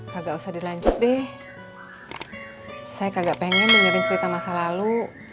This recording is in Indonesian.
kagak usah dilanjut deh saya kagak pengen dengerin cerita masa lalu